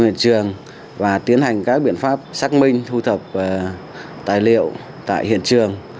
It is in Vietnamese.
chúng tôi đã đi vào trường và tiến hành các biện pháp xác minh thu thập tài liệu tại hiện trường